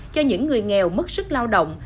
cho những người nghèo mất sức lao động